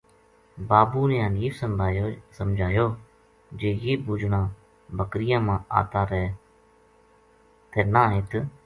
بابو نے حنیف سمجھایو جے یہ بُوجنا بکریاں ما آتا رہ تہ اِنھ